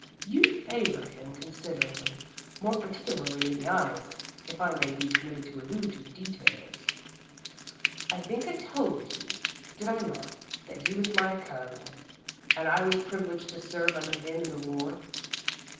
You favour him considerably, more particularly in the eyes, if I may be permitted to allude to details. I think I told you, did I not, that he was my Colonel and I was privileged to serve under him in the war?